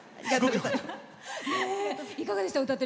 いかがでした？